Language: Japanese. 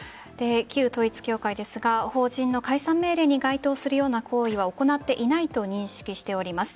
旧統一教会ですが法人の解散命令に該当するような行為は行っていないと認識しております。